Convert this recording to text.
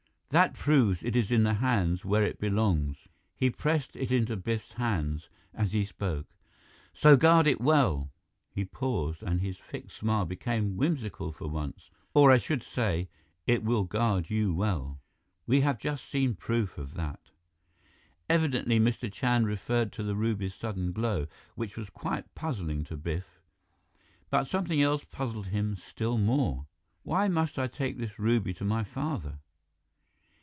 "That proves it is in the hands where it belongs!" He pressed it into Biff's hands as he spoke. "So guard it well" he paused and his fixed smile became whimsical for once "or I should say, it will guard you well. We have just seen proof of that." Evidently, Mr. Chand referred to the ruby's sudden glow, which was quite puzzling to Biff. But something else puzzled him still more. "Why must I take this ruby to my father?"